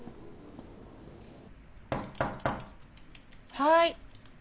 はい。